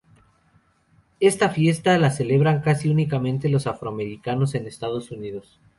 Esta fiesta la celebran casi únicamente los afroamericanos en Estados Unidos.